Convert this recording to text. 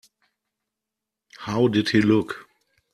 How did he look?